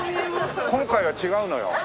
今回は違うのよ。